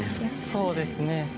そうですね。